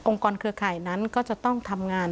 องค์กรเคลือขายนั้นก็จะต้องทำงาน